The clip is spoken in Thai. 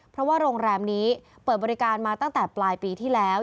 เพราะว่าโรงแรมนี้เปิดบริการมาตั้งแต่ปลายปีที่แล้ว